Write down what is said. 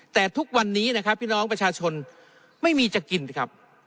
แต่ทุกวันนี้นะครับพี่น้องประชาชนไม่มีจะกินสิครับ